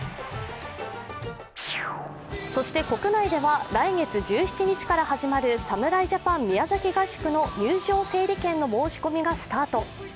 そして国内では来月１７日から始まる侍ジャパン宮崎合宿の入場整理券の申し込みがスタート。